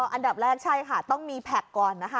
อันดับแรกใช่ค่ะต้องมีแพ็คก่อนนะคะ